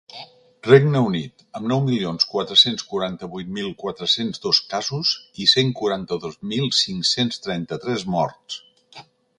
Regne Unit, amb nou milions quatre-cents quaranta-vuit mil quatre-cents dos casos i cent quaranta-dos mil cinc-cents trenta-tres morts.